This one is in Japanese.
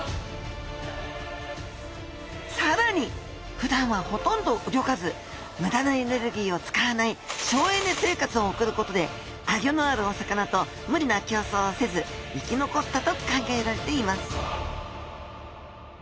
さらにふだんはほとんどうギョかずむだなエネルギーをつかわない省エネ生活をおくることでアギョのあるお魚とむりなきょうそうをせず生き残ったと考えられています